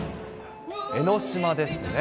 江の島ですね。